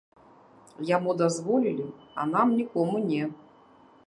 Яму дазволілі, а нам нікому не.